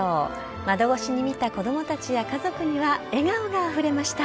窓越しに見た子供たちや家族には笑顔があふれました。